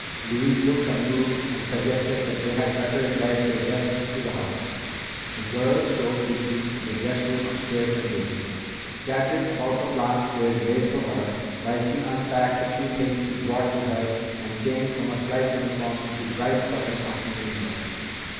Louise looked amused and suggested that they had better invite their guest into the house. The girls showed Vicki to the guest room upstairs and waited, chattering about the plans they'd made for her, while she unpacked the few things she had brought with her and changed from her flight uniform into a bright cotton afternoon dress.